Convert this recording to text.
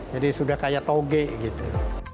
jadi sudah kayak toge gitu